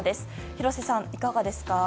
廣瀬さん、いかがですか？